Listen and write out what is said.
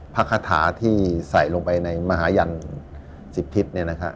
พักภะทะที่ใส่ลงไปในมหายันสิบทิศนี่นะฮะ